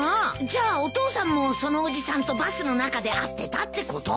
じゃあお父さんもそのおじさんとバスの中で会ってたってこと？